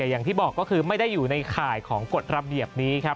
อย่างที่บอกก็คือไม่ได้อยู่ในข่ายของกฎระเบียบนี้ครับ